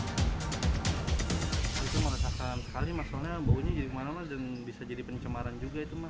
itu merasakan sekali masalahnya baunya jadi kemana mana dan bisa jadi pencemaran juga itu mas